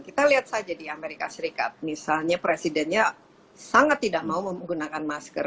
kita lihat saja di amerika serikat misalnya presidennya sangat tidak mau menggunakan masker